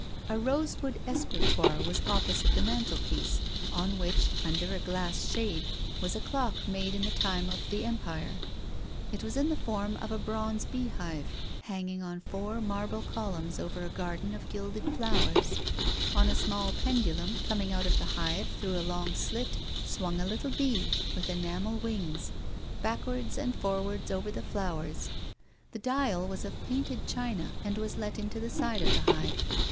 A rosewood escritoire was opposite the mantelpiece, on which, under a glass shade, was a clock made in the time of the Empire. It was in the form of a bronze bee hive hanging on four marble cohunns over a garden of gilded flowers. On a small pendulum, coming A WOMAN'S LIFE. 15 out of the hive through a long slit, swung a little bee, with enamel wings, backwards and forwards over the flowers ; the dial was of painted china and was let into the side of the hive.